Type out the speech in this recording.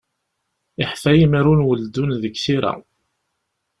Yeḥfa yimru n uldun deg tira.